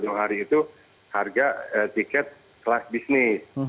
jauh jauh hari itu harga tiket kelas bisnis